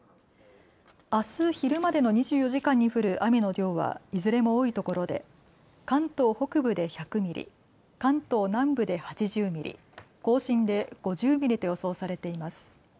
あす昼までの２４時間に降る雨の量はいずれも多いところで関東北部で１００ミリ、関東南部で８０ミリ、甲信で５０ミリと予想されています。